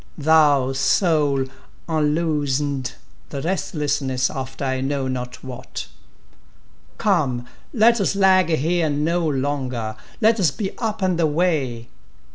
Thou, Soul, unloosen'd—the restlessness after I know not what; Come! let us lag here no longer—let us be up and away!